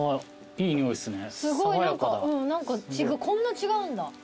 こんな違うんだ。